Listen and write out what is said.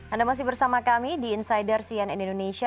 anda masih bersama kami di insider cnn indonesia